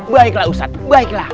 baiklah ustadz baiklah